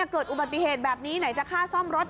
เกิดอุบัติเหตุแบบนี้ไหนจะฆ่าซ่อมรถ